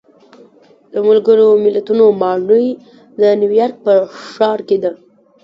د ملګرو ملتونو ماڼۍ د نیویارک په ښار کې ده.